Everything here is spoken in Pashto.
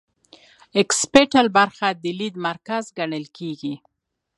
اکسیپیټل برخه د لید مرکز ګڼل کیږي